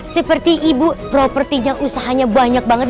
seperti ibu propertinya usahanya banyak banget